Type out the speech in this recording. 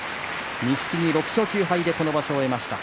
錦木、６勝９敗で今場所を終えました。